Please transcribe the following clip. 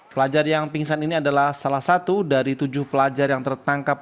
pelajar yang pingsan ini adalah salah satu dari tujuh pelajar yang tertangkap